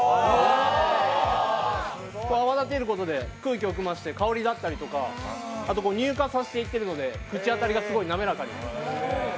泡立てることで空気を含ませて香りだったりとか、あと乳化させているので口当たりが滑らかになります。